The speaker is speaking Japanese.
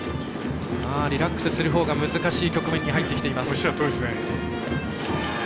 リラックスするほうが難しい局面に入ってきています。